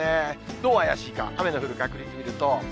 どう怪しいか、雨の降る確率見ると。